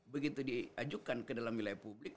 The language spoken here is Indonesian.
begitu diajukan ke dalam wilayah publik